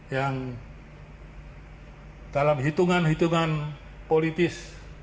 yang dalam hitungan hitungan politis